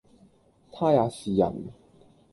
他也是人，